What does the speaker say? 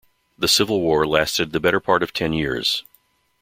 The civil war lasted the better part of ten years.